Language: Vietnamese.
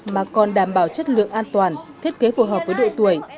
mà còn đảm bảo chất lượng an toàn thiết kế phù hợp với độ tuổi